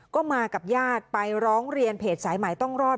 ก็มากับญาติไปร้องเรียนเพจสายใหม่ต้องรอด